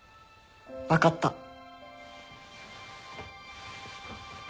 分かった。